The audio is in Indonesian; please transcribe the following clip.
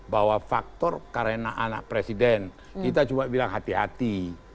bahwa faktor karena anak presiden kita cuma bilang hati hati